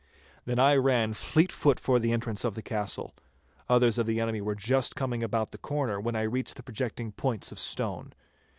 Then I ran fleet foot for the entrance of the castle. Others of the enemy were just coming about the corner when I reached the projecting points of stone.